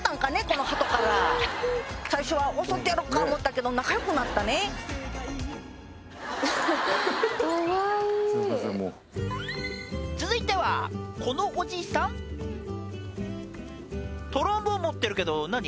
このハトから最初は襲ってやろか思ったけど仲良くなったね続いてはこのおじさんトロンボーン持ってるけど何？